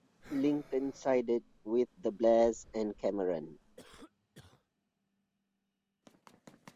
Lincoln sided with the Blairs and Cameron.